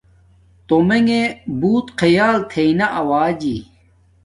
تومنݣ بوت خیال تھݵ نا آوجی